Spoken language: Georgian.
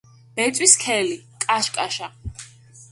ბეწვი სქელი, კაშკაშა.